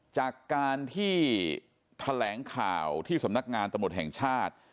จากการที่แถลงข่าวที่สำนักงานตำรวจแห่งชาติ